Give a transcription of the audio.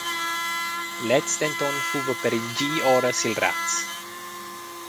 Lez denton fuva per il di ora sil raz.